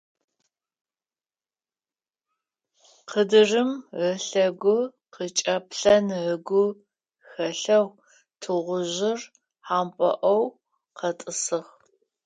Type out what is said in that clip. Къыдырым ылъэгу къычӀэплъэн ыгу хэлъэу тыгъужъыр хьампӀэloy къэтӀысыгъ.